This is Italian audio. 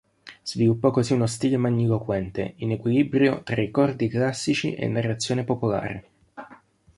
Sviluppò così uno stile magniloquente, in equilibrio tra ricordi classici e narrazione popolare.